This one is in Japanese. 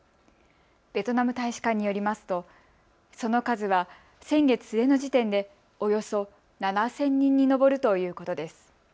ベトナム大使館によりますとその数は先月末の時点でおよそ７０００人に上るということです。